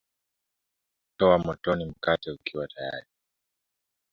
toa motoni mkate ukiwa tayari